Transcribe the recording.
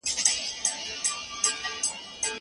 حقيقي عايد بايد له نفوس څخه ډېر زيات سي.